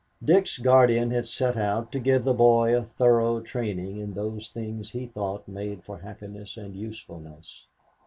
Dick's guardian had set out to give the boy a thorough training in those things he thought made for happiness and usefulness.